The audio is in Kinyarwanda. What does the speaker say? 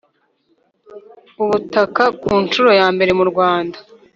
ubutaka ku nshuro ya mbere mu Rwanda